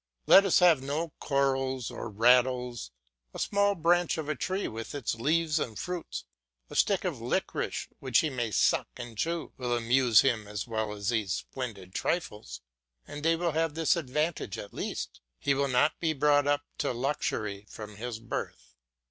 Let us have no corals or rattles; a small branch of a tree with its leaves and fruit, a stick of liquorice which he may suck and chew, will amuse him as well as these splendid trifles, and they will have this advantage at least, he will not be brought up to luxury from his birth.